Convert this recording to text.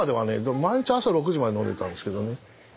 毎日朝６時まで飲んでたんですけどね。